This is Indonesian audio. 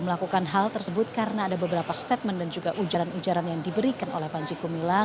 melakukan hal tersebut karena ada beberapa statement dan juga ujaran ujaran yang diberikan oleh panji gumilang